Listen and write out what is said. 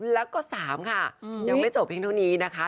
แล้วก็๓ค่ะยังไม่จบเพียงเท่านี้นะคะ